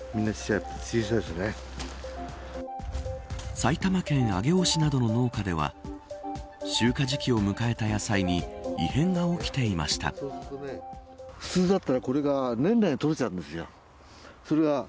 埼玉県上尾市などの農家では集荷時期を迎えた野菜に異変が起きていました。